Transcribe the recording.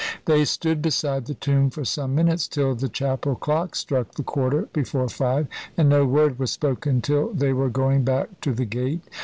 They stood beside the tomb for some minutes, till the chapel clock struck the quarter before five, and no word was spoken till they were going back to the gate.